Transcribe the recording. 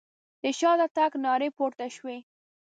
د شاته تګ نارې پورته شوې.